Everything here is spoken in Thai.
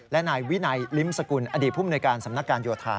และนายวินัยลิ้มสกุลอดีตภูมิในการสำนักการโยธา